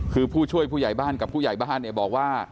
คือผู้ช่วยผู้ใหญ่บ้านกับผู้ใหญ่บ้านเนี่ยบอกว่า